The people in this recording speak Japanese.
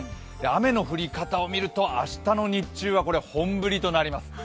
雨の降り方をみると明日の日中は本降りとなります。